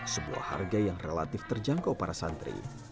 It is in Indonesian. sebuah harga yang relatif terjangkau para santri